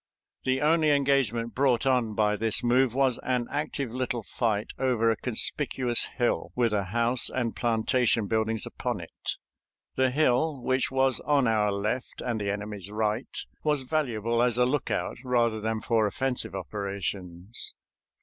The only engagement brought on by this move was an active little fight over a conspicuous hill, with a house and plantation buildings upon it. The hill, which was on our left and the enemy's right, was valuable as a lookout rather than for offensive operations.